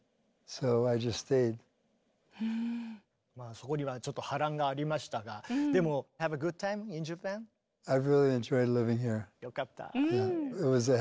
そこにはちょっと波乱がありましたがでもよかった。